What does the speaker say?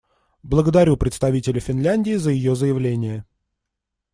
Благодарю представителя Финляндии за ее заявление.